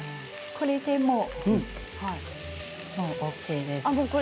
これでもうＯＫです。